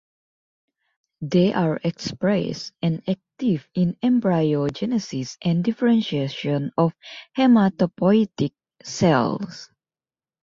They are expressed and active in embryogenesis and differentiation of hematopoietic cells.